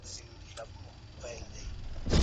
ژوند له کاره لوی دی.